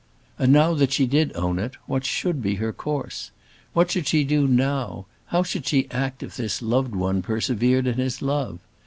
And now that she did own it, what should be her course? What should she do, how should she act if this loved one persevered in his love?